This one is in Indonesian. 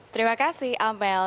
terima kasih amel